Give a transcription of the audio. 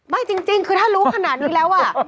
จริงคือถ้ารู้ขนาดนี้แล้ว